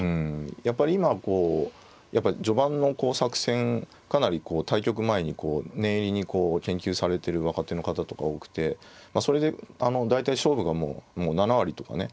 やっぱり今はこう序盤の作戦かなりこう対局前に念入りに研究されてる若手の方とか多くてそれで大体勝負がもう７割とかね